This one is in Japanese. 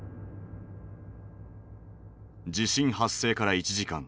地震発生から１時間。